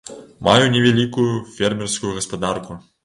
Маю невялікую фермерскую гаспадарку.